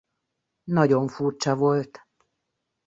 Nagyon furcsa volt.